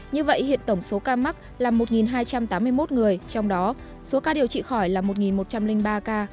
như vậy hiện tổng số ca mắc là một hai trăm tám mươi một người trong đó số ca điều trị khỏi là một một trăm linh ba ca